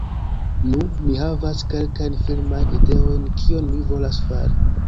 Nu, mi havas kelkajn filmajn ideojn kion mi volas fari